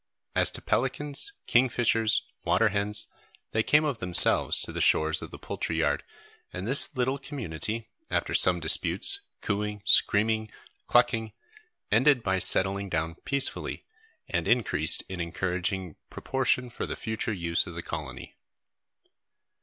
As to pelicans, kingfishers, water hens, they came of themselves to the shores of the poultry yard, and this little community, after some disputes, cooing, screaming, clucking, ended by settling down peacefully, and increased in encouraging proportion for the future use of the colony.